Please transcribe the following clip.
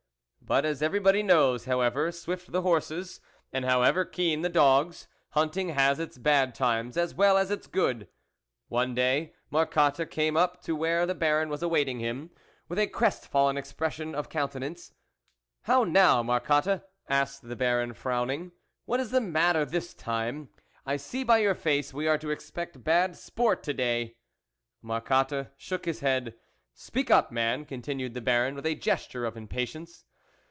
But, as everybody knows, however swift the horses, and however keen the dogs, hunting has its bad times as well as its good. One day, Marcotte came up to where the Baron was awaiting him, with a crestfallen expression of countenance. " How now, Marcotte," asked the Baron frowning, " what is the matter this time ? I see by your face we are to expect bad sport to day." Marcotte shook his head. " Speak up, man," continued the Baron with a gesture of impatience.